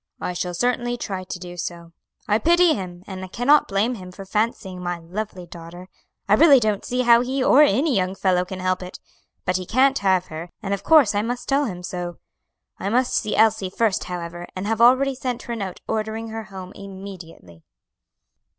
"I shall certainly try to do so. I pity him, and cannot blame him for fancying my lovely daughter I really don't see how he or any young fellow can help it, but he can't have her, and of course I must tell him so. I must see Elsie first however, and have already sent her a note ordering her home immediately."